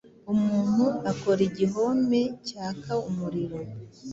Umuntu akora igihome cyaka umuriro